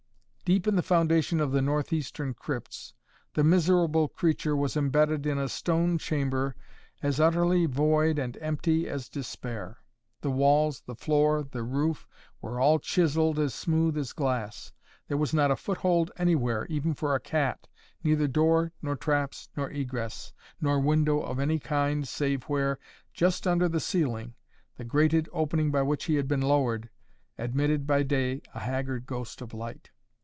Deep in the foundation of the northeastern crypts the miserable creature was embedded in a stone chamber as utterly void and empty as despair. The walls, the floor, the roof were all chiselled as smooth as glass. There was not a foothold anywhere even for a cat, neither door, nor traps, nor egress, nor window of any kind save where, just under the ceiling, the grated opening by which he had been lowered, admitted by day a haggard ghost of light.